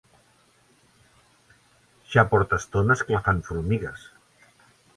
Ja porta estona esclafant formigues.